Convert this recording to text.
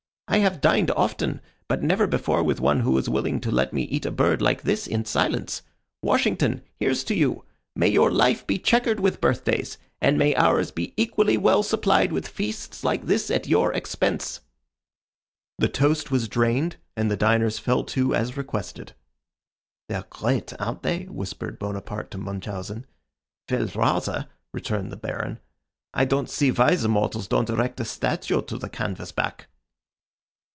"I have dined often, but never before with one who was willing to let me eat a bird like this in silence. Washington, here's to you. May your life be chequered with birthdays, and may ours be equally well supplied with feasts like this at your expense!" The toast was drained, and the diners fell to as requested. "They're great, aren't they?" whispered Bonaparte to Munchausen. "Well, rather," returned the Baron. "I don't see why the mortals don't erect a statue to the canvas back."